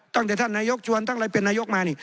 ตั้งแต่ท่านนายกจวันตั้งแต่เป็นนายกมา